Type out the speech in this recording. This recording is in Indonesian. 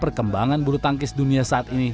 perkembangan bulu tangkis dunia saat ini